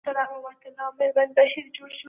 هغه په کمپيوټر کي حسابونه تنظيموي.